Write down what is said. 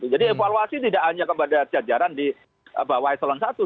jadi evaluasi tidak hanya kepada jajaran di bawah ekstron satu